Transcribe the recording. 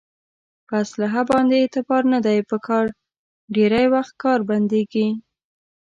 په اصلحه باندې اعتبار نه دی په کار ډېری وخت کار بندېږي.